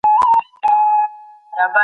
که کشمکش رامنځته سي بايد ژر کنټرول سي.